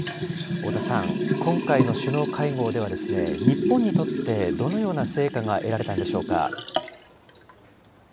太田さん、今回の首脳会合では、日本にとってどのような成果が得られたんでしょうか。